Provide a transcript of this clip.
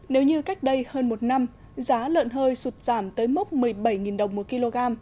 nếu như cách đây hơn một năm giá lợn hơi sụt giảm tới mốc một mươi bảy đồng một kg